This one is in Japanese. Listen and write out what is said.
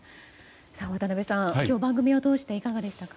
渡辺さん、今日番組を通していかがでしたか？